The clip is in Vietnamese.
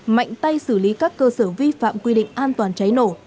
mạnh tay xử lý các cơ sở vi phạm quy định an toàn cháy nổ